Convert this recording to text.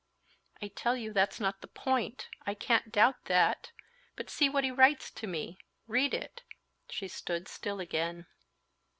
"I tell you that's not the point—I can't doubt that; but see what he writes to me. Read it." She stood still again.